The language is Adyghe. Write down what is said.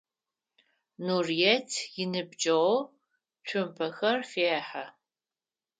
Нурыет иныбджэгъу цумпэхэр фехьы.